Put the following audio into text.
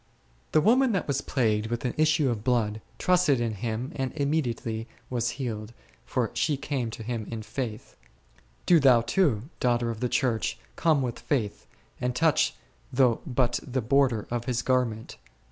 The woman that was plagued with an issue of blood trusted in Him and immediately was healed, for she came to Him in faith. Do thou, too, daughter of the Church, come with faith, and touch though but the border of His garment.